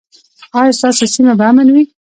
ایا ستاسو سیمه به امن وي؟